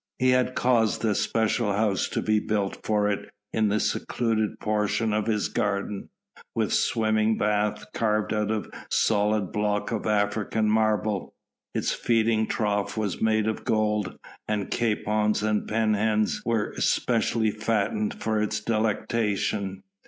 He had caused a special house to be built for it in a secluded portion of his garden, with a swimming bath carved out of a solid block of African marble. Its feeding trough was made of gold, and capons and pea hens were specially fattened for its delectation.